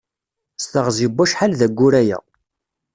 S teɣzi n wacḥal d aggur aya.